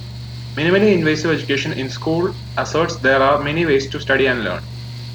Minimally Invasive Education in school asserts there are many ways to study and learn.